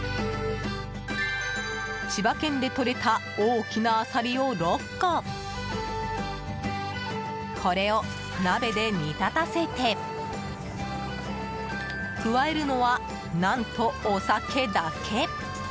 千葉県でとれた大きなアサリを６個これを鍋で煮立たせて加えるのは何と、お酒だけ！